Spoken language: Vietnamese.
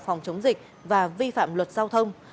phòng chống dịch và vi phạm luật giao thông